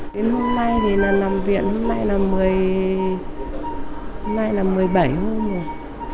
đến hôm nay thì là làm viện hôm nay là một mươi bảy hôm rồi